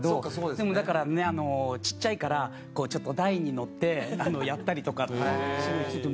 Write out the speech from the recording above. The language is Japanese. でもだからちっちゃいからちょっと台に乗ってやったりとか。